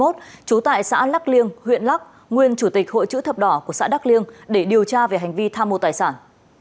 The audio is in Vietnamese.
trú tại xã lắc liêng huyện lắc nguyên chủ tịch hội chữ thập đỏ của xã đắk liêng để điều tra về hành vi tham mô tài sản